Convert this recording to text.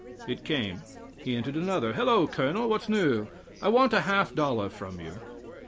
It came. He entered another. "Hello! colonel, what's new?" "I want a half dollar from you!"